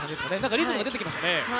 リズムが出てきましたね。